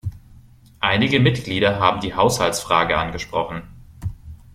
Einige Mitglieder haben die Haushaltsfrage angesprochen.